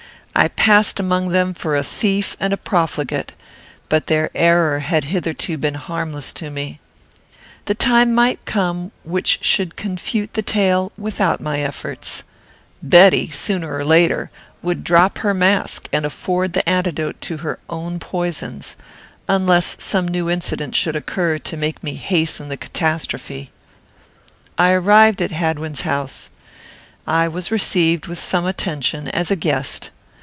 I passed among them for a thief and a profligate, but their error had hitherto been harmless to me. The time might come which should confute the tale without my efforts. Betty, sooner or later, would drop her mask, and afford the antidote to her own poisons, unless some new incident should occur to make me hasten the catastrophe. I arrived at Hadwin's house. I was received with some attention as a guest.